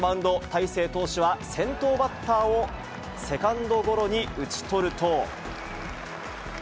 大勢投手は先頭バッターをセカンドゴロに打ち取ると。